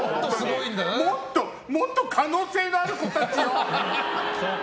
もっと可能性のある子たちよ。